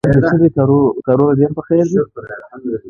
د هدایت دا سپېڅلی کتاب هغسې زده کړو، لکه څنګه چې د هغه تلاوت